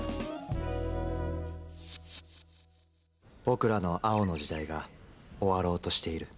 僕らの青の時代が終わろうとしている。